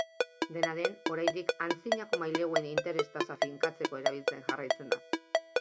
Dena den, oraindik antzinako maileguen interes-tasa finkatzeko erabiltzen jarraitzen da.